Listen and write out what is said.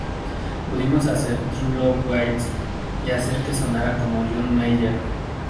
Pudimos hacer 'True Love Waits' y hacer que sonara como John Mayer.